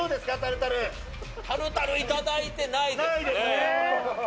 タルタルいただいてないですね。